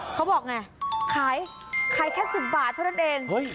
เขาบอกไงขายแค่๑๐บาทเท่านั้นเอง